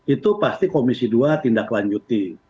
itu pasti komisi dua tindak lanjuti